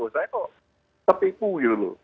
saya kok tertipu gitu loh